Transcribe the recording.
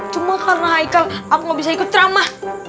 cuma karena haikal aku nggak bisa ikut drama